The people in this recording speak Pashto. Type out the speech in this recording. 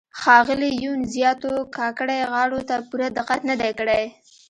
ښاغلي یون زیاتو کاکړۍ غاړو ته پوره دقت نه دی کړی.